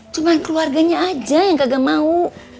cuma keluarganya aja yang kagak mau